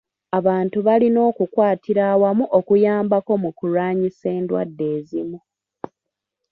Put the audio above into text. Abantu balina okukwatira awamu okuyambako mu kulwanyisa endwadde ezimu.